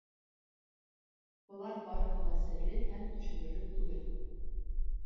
Былар барыһы ла серле һәм төшөнөрлөк түгел.